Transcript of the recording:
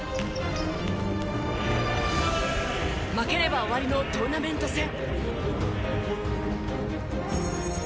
負ければ終わりのトーナメント戦。